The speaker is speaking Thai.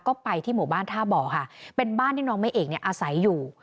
ก็ไปที่หมู่บ้านท่าบ่อค่ะเป็นบ้านที่น้องไม่เอกเนี่ยอาศัยอยู่